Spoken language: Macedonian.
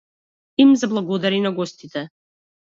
Им заблагодари на гостите.